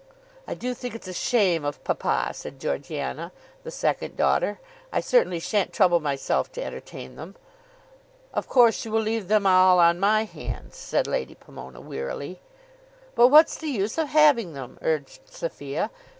"I do think it's a shame of papa," said Georgiana, the second daughter. "I certainly shan't trouble myself to entertain them." "Of course you will leave them all on my hands," said Lady Pomona wearily. "But what's the use of having them?" urged Sophia.